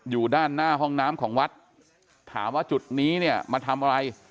อยู่ด้านหน้าห้องน้ำของวัดถามว่าจุดนี้เนี่ยมาทำอะไร